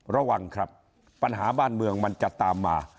ระวังครับปัญหาบ้านเมืองมันจะตามมา